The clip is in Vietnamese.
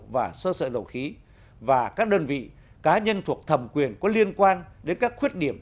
và sơ sợi dầu khí và các đơn vị cá nhân thuộc thẩm quyền có liên quan đến các khuyết điểm